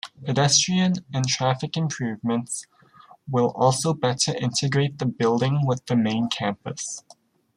Pedestrian and traffic improvements will also better integrate the building with the main campus.